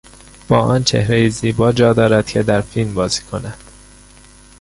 با آن چهرهی زیبا جا دارد که در فیلم بازی کند!